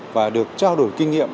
và được trao đổi kinh nghiệm